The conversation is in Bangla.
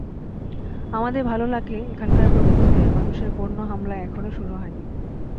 আমাদের ভালো লাগে, এখানকার প্রকৃতিতে মানুষের বন্য হামলা এখনো শুরু হয়নি।